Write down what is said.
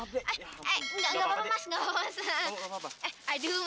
berhenti dari dunia akting